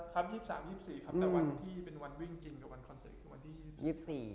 ๒๓๒๔ครับแต่วันที่เป็นวันวิ่งกินกับวันคอนเสิร์ตคือวันที่๒๔